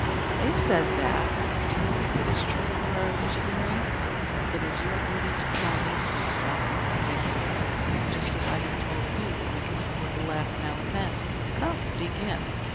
"They said that. Do you think it is true that you are visionary?" "It is your duty to tell me so, Selma, when you think it, just as I have told you that we can afford to laugh now and then. Come, begin."